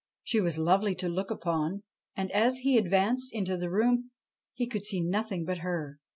She was lovely to look upon ; and, as he advanced into the room, he could see nothing but her.